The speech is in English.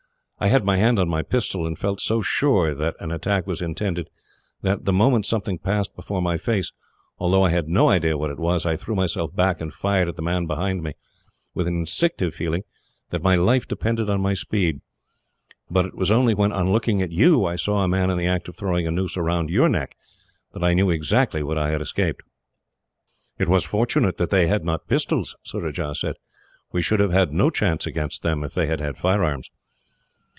I had my hand on my pistol, and felt so sure that an attack was intended that, the moment something passed before my face, although I had no idea what it was, I threw myself back and fired at the man behind me, with an instinctive feeling that my life depended on my speed. But it was only when, on looking at you, I saw a man in the act of throwing a noose round your neck, that I knew exactly what I had escaped." "It was fortunate that they had not pistols," Surajah said. "We should have had no chance against them, if they had had firearms."